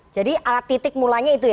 jadi titik mulanya itu ya